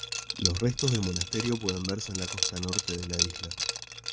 Los restos del monasterio pueden verse en la costa norte de la isla.